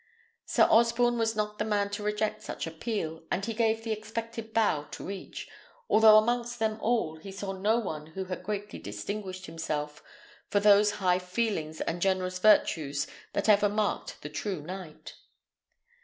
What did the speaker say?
Sir Osborne was not the man to reject such appeal, and he gave the expected bow to each, though amongst them all he saw no one who had greatly distinguished himself for those high feelings and generous virtues that ever marked the true knight.